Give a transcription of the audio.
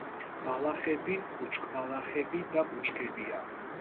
ბალახები, ბუჩქბალახები და ბუჩქებია.